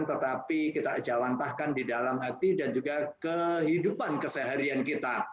tetapi kita ajawantahkan di dalam hati dan juga kehidupan keseharian kita